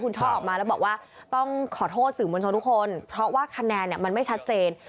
ช่อออกมาแล้วบอกว่าต้องขอโทษสื่อมวลชนทุกคนเพราะว่าคะแนนมันไม่ชัดเจน